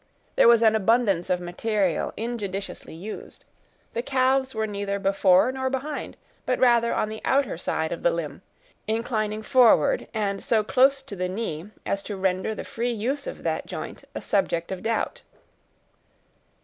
There was an abundance of material injudiciously used. The calves were neither before nor behind, but rather on the outer side of the limb, inclining forward, and so close to the knee as to render the free use of that joint a subject of doubt.